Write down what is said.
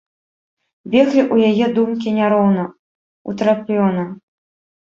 Беглі ў яе думкі няроўна, утрапёна.